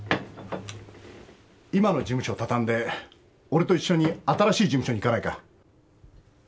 今の事務所畳んで俺と一緒に新しい事務所に行かないか？